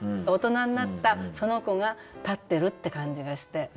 大人になったその子が立ってるって感じがして。